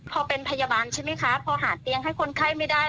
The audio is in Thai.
พอเป็นพยาบาลใช่ไหมคะพอหาเตียงให้คนไข้ไม่ได้